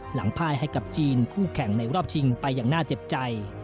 พ่ายให้กับจีนคู่แข่งในรอบชิงไปอย่างน่าเจ็บใจ